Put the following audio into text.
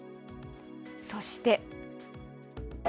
そして。